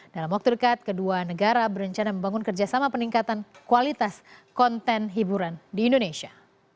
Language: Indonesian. dalam waktu dekat kedua negara berencana membangun kerjasama peningkatan kualitas konten hiburan di indonesia